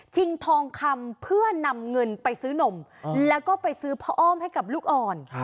ทองคำเพื่อนำเงินไปซื้อนมแล้วก็ไปซื้อพ่ออ้อมให้กับลูกอ่อน